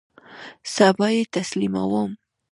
سبا یی تسلیموم